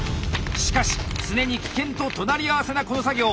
しかし常に危険と隣り合わせなこの作業！